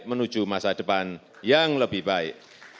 menuju masa depan yang lebih baik